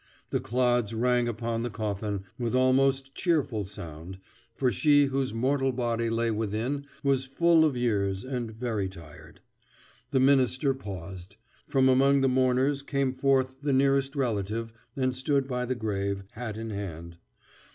The clods rang upon the coffin with almost cheerful sound, for she whose mortal body lay within was full of years and very tired. The minister paused. From among the mourners came forth the nearest relative and stood by the grave, hat in hand.